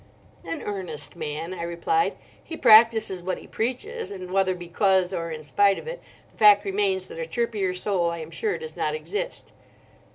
"An earnest man," I replied. "He practises what he preaches, and whether because, or in spite of it, the fact remains that a chirpier soul I am sure does not exist."